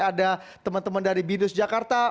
ada teman teman dari binus jakarta